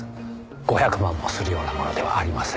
５００万もするようなものではありません。